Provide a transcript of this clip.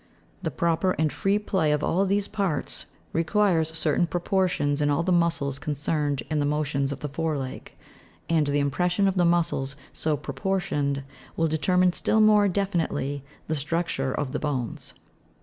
The proper and free play of all these parts requires certain proportions in all the muscles concerned in the mo tions of the fore leg, and the impression of the muscles so proportioned will determine still more definitely the structure of the bones.